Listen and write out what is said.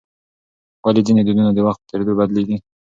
ولې ځینې دودونه د وخت په تېرېدو بدلیږي؟